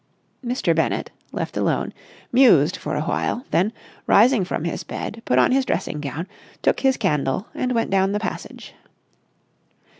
Mr. Bennett, left alone, mused for awhile, then, rising from his bed, put on his dressing gown, took his candle, and went down the passage.